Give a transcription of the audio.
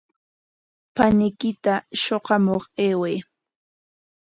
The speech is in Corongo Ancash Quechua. Paniykita shuqamuq ayway.